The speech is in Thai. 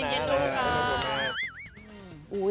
ใจเย็นลูกค่ะ